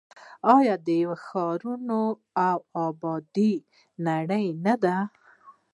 آیا د یوې روښانه او ابادې نړۍ نه ده؟